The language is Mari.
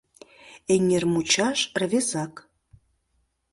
Эҥермучаш рвезак.